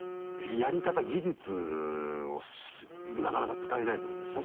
やり方技術をなかなか使えないってことでしょ？